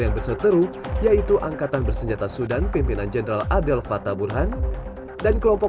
yang berseteru yaitu angkatan bersenjata sudan pimpinan jenderal adel fata burhan dan kelompok